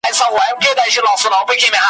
نوم دي ایښئ پاکستان کار دي چټل دئ